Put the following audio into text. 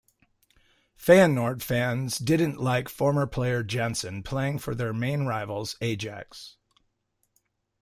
Feyenoord fans didn't like former player Jansen playing for their main rivals Ajax.